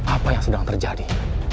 apa yang sedang terjadi